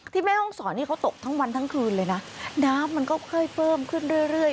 แม่ห้องศรนี่เขาตกทั้งวันทั้งคืนเลยนะน้ำมันก็ค่อยเพิ่มขึ้นเรื่อยเรื่อย